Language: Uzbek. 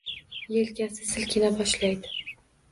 Yelkasi silkina boshlaydi